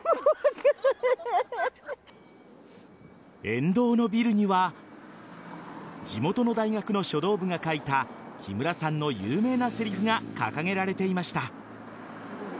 沿道のビルには地元の大学の書道部が書いた木村さんの有名なセリフが掲げられていました。